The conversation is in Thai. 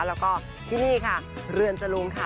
แล้วก็ที่นี่ค่ะเรือนจรุงค่ะ